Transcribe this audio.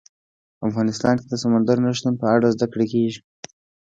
افغانستان کې د سمندر نه شتون په اړه زده کړه کېږي.